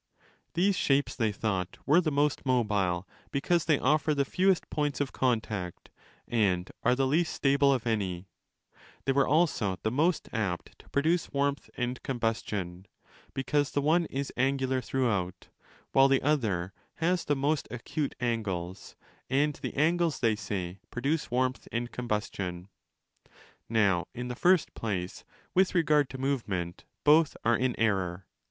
These shapes, they thought, were the most mobile because they offer the fewest points of contact and are the least stable of 307* any ; they were also the most apt to produce warmth and combustion, because the one is angular throughout ὅ while the other has the most acute angles, and the angles, they say, produce warmth and combustion. Now, in the first place, with regard to movement both are in error.